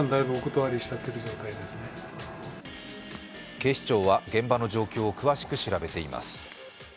警視庁は現場の状況を詳しく調べています。